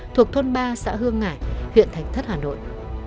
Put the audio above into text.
thuộc thôn ba xã hương hải huyện thạch thất hà nội